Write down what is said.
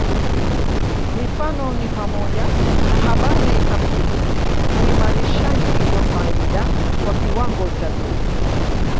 Mifano ni pamoja na habari kamilifu uimarishaji wa faida kwa kiwango cha juu